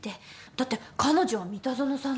だって彼女は三田園さんの。